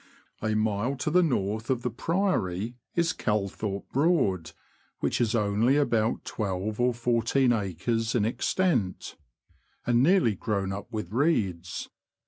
A mile to the north of the Priory is Calthorpe Broad, which is only about twelve or fourteen acres in extent, and nearly grown up with reeds.